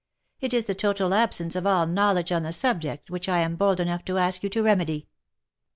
— It is the total absence of all knowledge on the subject, which I am bold enough to ask you to remedy."